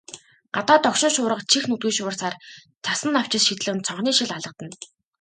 Гадаа догшин шуурга чих нүдгүй шуурсаар, цасан навчис шидлэн цонхны шил алгадна.